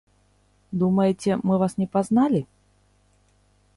Думаеце, мы вас не пазналі?